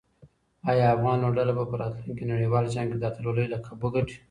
آیا افغان لوبډله به په راتلونکي نړیوال جام کې د اتلولۍ لقب وګټي؟